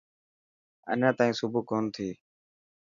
اڃان تائين صبح ڪونه ٿي.